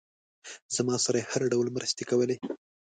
زما سره یې هر ډول مرستې کولې.